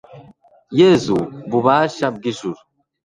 yezu bubasha bw'ijuru